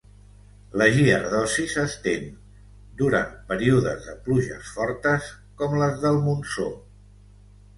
La giardiosi s'estén durant períodes de pluges fortes com les del Monsó.